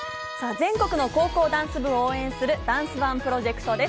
全国の高校ダンス部を応援するダンスＯＮＥプロジェクトです。